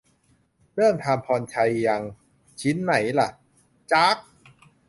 "เริ่มทำพรชัยยัง" ชิ้นไหนล่ะ ? จ๊าก